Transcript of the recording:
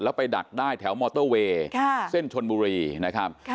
แล้วไปดักได้แถวมอเตอร์เวย์เส้นชนบุรีนะครับ